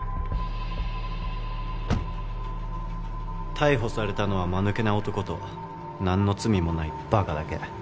逮捕されたのは間抜けな男となんの罪もないバカだけ。